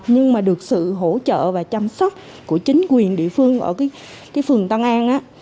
nhưng mà được sự hỗ trợ và chăm sóc của chính quyền địa phương ở cái phường tân an